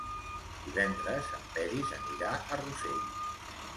Divendres en Peris anirà a Rossell.